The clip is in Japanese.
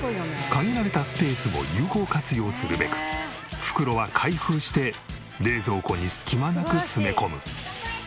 限られたスペースを有効活用するべく袋は開封して冷蔵庫に隙間なく詰め込む。